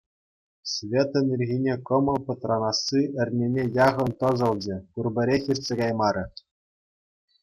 Светӑн ирхине кӑмӑл пӑтранасси эрнене яхӑн тӑсӑлчӗ, пурпӗрех иртсе каймарӗ.